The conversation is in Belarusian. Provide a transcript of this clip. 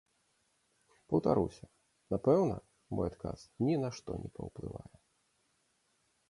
Паўтаруся, напэўна, мой адказ ні на што не паўплывае.